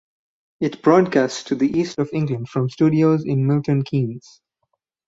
It broadcasts to the East of England from studios in Milton Keynes.